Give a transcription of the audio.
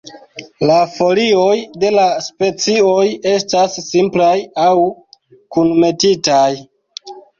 La folioj de la specioj estas simplaj aŭ kunmetitaj.